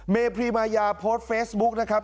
พรีมายาโพสต์เฟซบุ๊กนะครับ